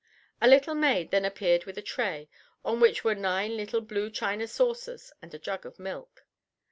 A little maid then appeared with a tray, on which were nine little blue china saucers and a jug of milk.